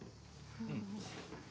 うん。